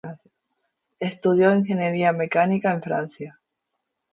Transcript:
Estudió ingeniería mecánica en Francia.